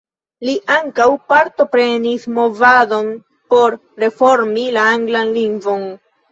Li ankaŭ partoprenis movadon por reformi la anglan lingvon.